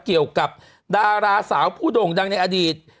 เกี่ยวกับดาราสาวผู้โด่งดังในอดีต